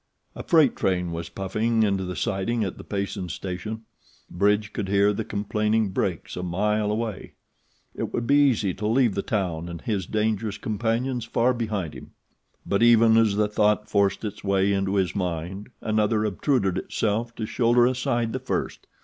A freight train was puffing into the siding at the Payson station. Bridge could hear the complaining brakes a mile away. It would be easy to leave the town and his dangerous companions far behind him; but even as the thought forced its way into his mind another obtruded itself to shoulder aside the first.